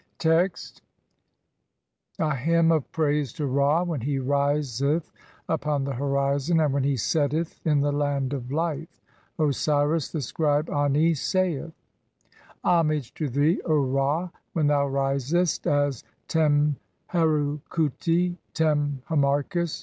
33 Text: (l) A HYMN OF PRAISE TO Ra WHEN HE RISETH UPON THE HORIZON, AND WHEN HE SETTETH IN THE LAND OF LIFE. Osiris, the scribe Ani, saith :— "Homage to thee, (2) O Ra, when thou risest [as] Tem Heru "khuti (Tem Harmachis).